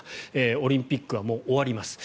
オリンピックはもう終わります。